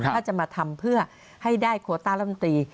ถ้าจะมาทำเพื่อให้ได้โคต้ารำตี